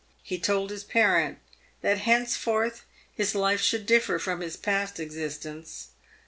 He told bis parent tbat bencefortb his life should differ from bis past existence.